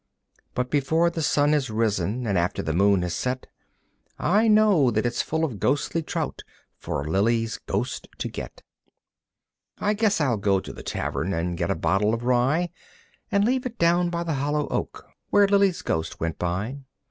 But before the sun has risen and after the moon has set I know that it's full of ghostly trout for Lilly's ghost to get. I guess I'll go to the tavern and get a bottle of rye And leave it down by the hollow oak, where Lilly's ghost went by.